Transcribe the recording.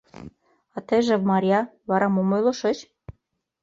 — А тыйже, Марья, вара мом ойлышыч?